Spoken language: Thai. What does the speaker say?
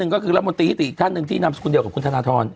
ก็คือระบวนติพิธีอีกท่านหนึ่งที่นำคุณเดี๋ยวกับคุณธราธร